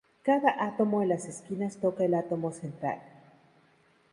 Cada átomo en las esquinas toca el átomo central.